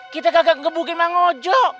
kita kagak kebukin emang ojo